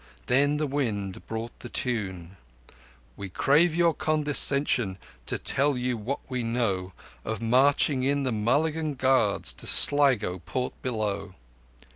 Then the wind brought the tune: We crave your condescension To tell you what we know Of marching in the Mulligan Guards To Sligo Port below!